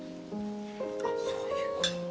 あっそういうことか。